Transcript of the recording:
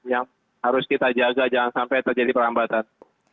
yang harus kita jaga jangan sampai terjadi perambatan